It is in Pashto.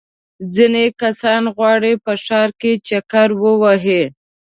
ځینې کسان غواړي په ښار کې چکر ووهي.